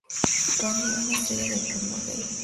Randy, una estrella del porno gay.